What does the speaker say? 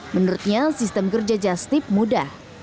menurutnya sistem kerja just tip mudah